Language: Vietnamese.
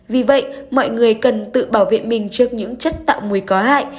vì vậy mọi người cần tự bảo vệ mình trước những chất tạo mùi có hại